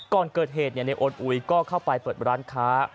ก่อนเกิดเหตุในโอนอุยก็เข้าไปเปิดร้านค้า